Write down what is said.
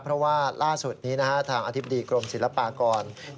เพราะว่าล่าสุดนี้ทางอธิบดีกรมศิลปากร